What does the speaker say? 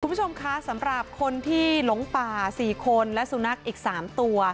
คุณผู้ชมคะสำหรับคนที่หลงป่า๔คนและสุนัขอีก๓ตัว